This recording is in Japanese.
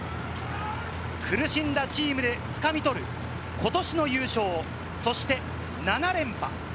苦しんだチームでつかみ取ることしの優勝、そして７連覇。